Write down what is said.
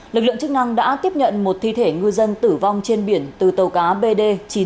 lực lượng chức năng đã tiếp nhận một thi thể ngư dân tử vong trên biển từ tàu cá bd chín trăm sáu mươi